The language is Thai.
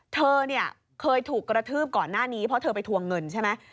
เธอเนี่ยเคยถูกกระทืบก่อนหน้านี้เพราะเธอไปทวงเงินใช่ไหม